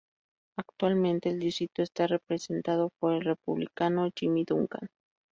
Actualmente el distrito está representado por el Republicano Jimmy Duncan.